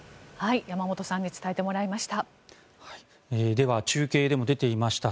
山本さんに伝えてもらいました。